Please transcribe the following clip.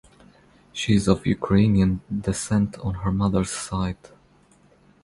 She is of Ukrainian descent on her mother's side.